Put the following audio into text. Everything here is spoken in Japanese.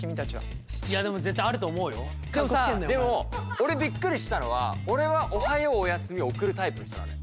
俺びっくりしたのは俺はおはようおやすみを送るタイプの人なのよ。